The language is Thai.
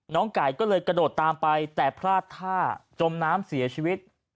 ไก่ก็เลยกระโดดตามไปแต่พลาดท่าจมน้ำเสียชีวิต